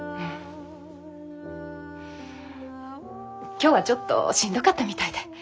今日はちょっとしんどかったみたいで。